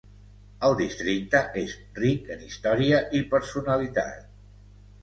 El districte és ric en història i personalitat.